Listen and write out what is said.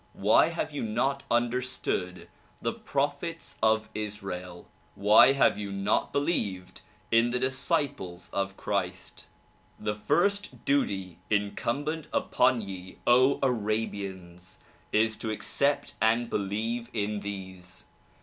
Why have you not understood the prophets of Israel? Why have you not believed in the disciples of Christ? The first duty incumbent upon ye O Arabians! is to accept and believe in these.